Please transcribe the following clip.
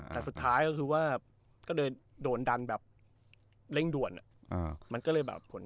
แต่สุดท้ายก็คือว่าก็เลยโดนดันแบบเร่งด่วนมันก็เลยแบบผล